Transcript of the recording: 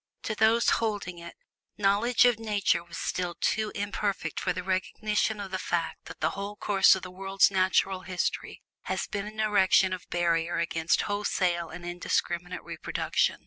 To those holding it, knowledge of Nature was still too imperfect for the recognition of the fact that the whole course of the world's natural history has been an erection of barrier against wholesale and indiscriminate reproduction.